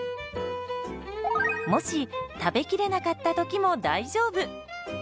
もし食べきれなかった時も大丈夫。